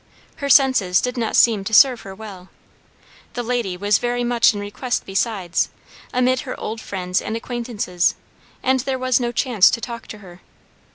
Her senses did not seem to serve her well. The lady was very much in request besides, amid her old friends and acquaintances, and there was no chance to talk to her.